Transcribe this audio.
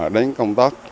đánh công tác